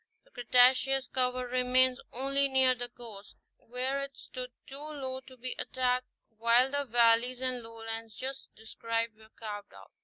The Cretaceous cover remains only near the coast, where it stood too low to be attacked while the valleys and lowlands just described were carved out.